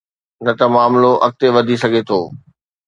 نه ته معاملو اڳتي وڌي سگهي ٿو.